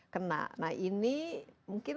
kena nah ini mungkin